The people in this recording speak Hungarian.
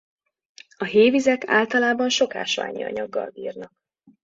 A hévizek általában sok ásványi anyaggal bírnak.